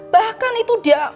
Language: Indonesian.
bahkan itu udah